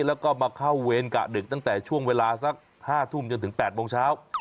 แล้วก็มาเข้าเวรกะดึกตั้งแต่ช่วงเวลาสัก๕ทุ่มจนถึง๘โมงเช้า